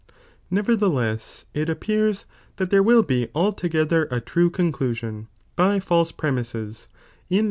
Nevertlieless, it appears that there will be alto gether a true conclusion by false premises, in the